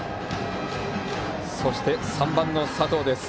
そして３番の佐藤です。